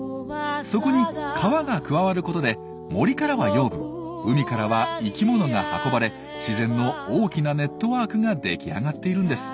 そこに川が加わることで森からは養分海からは生きものが運ばれ自然の大きなネットワークが出来上がっているんです。